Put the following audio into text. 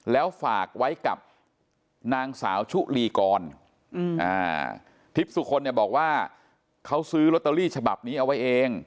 แล้วฝากไว้กับนางสาวชุลีกรทิพย์สุคลเนี่ยบอกว่าเขาซื้อลอตเตอรี่ฉบับนี้เอาไว้เอง